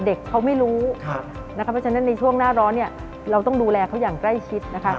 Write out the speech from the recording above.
เด็กเขาไม่รู้เพราะฉะนั้นในช่วงหน้าร้อนเราต้องดูแลเขาอย่างใกล้ชิด